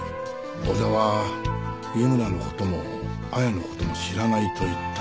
小田は井村の事も亜矢の事も知らないと言った。